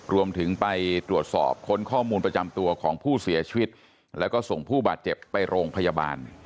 รวมถึงไปตรวจสอบค้นข้อมูลประจำตัวของผู้เสียชีวิตแล้วก็ส่งผู้บาดเจ็บไปโรงพยาบาล